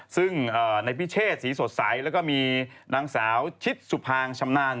ซึ่งในพิเชษศรีสดใสแล้วก็มีนางสาวชิดสุภางชำนาญ